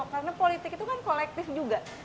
karena politik itu kan kolektif juga